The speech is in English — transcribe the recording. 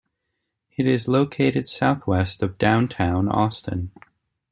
It is located southwest of downtown Austin.